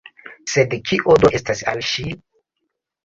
Sed kio do estas al ŝi?